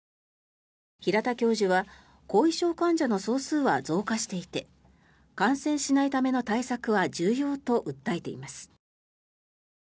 平田教授は後遺症患者の総数は増加していて感染しないための対策は重要と訴えています。